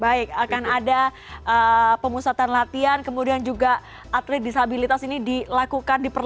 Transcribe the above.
baik akan ada pengusatan latihan kemudian juga atlet disabilitas ini diperlakukan sendiri